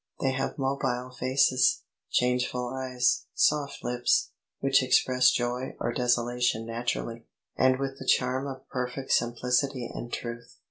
They have mobile faces, changeful eyes, soft lips, which express joy or desolation naturally, and with the charm of perfect simplicity and truth.